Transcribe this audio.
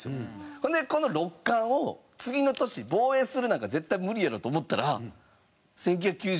ほんでこの六冠を次の年防衛するなんか絶対無理やろと思ったら１９９６年